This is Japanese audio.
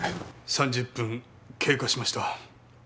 ３０分経過しました。